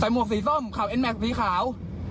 แต่หมวกสีส้มเขาเอ็นแม็กซ์สีขาว